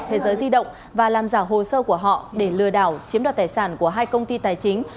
thế giới di động và làm giả hồ sơ của họ để lừa đảo chiếm đoạt tài sản của hai công ty tài chính